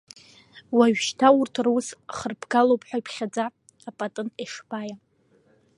Уажәшьҭа урҭ рус хырбгалоуп ҳәа иԥхьаӡа, апатын Ешбаиа.